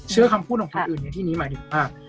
เชื่อคำพูดของคนอื่นในที่นี้หมายถึงว่า